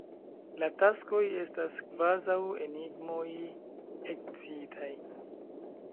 La taskoj estas kvazaŭ enigmoj ekscitaj.